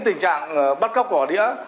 tình trạng bắt góc quả đĩa